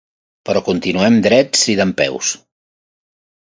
Però continuem drets i dempeus.